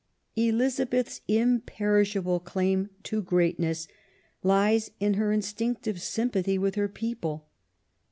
Elizabeth's imperishable claim to greatness lies in her instinctive sympathy with her people.